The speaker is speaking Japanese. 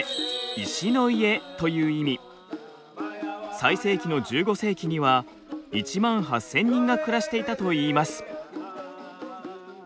最盛期の１５世紀には１万８，０００人が暮らしていたといいます。